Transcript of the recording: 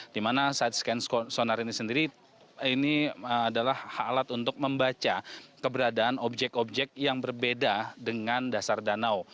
di mana side scan sonar ini sendiri ini adalah alat untuk membaca keberadaan objek objek yang berbeda dengan dasar danau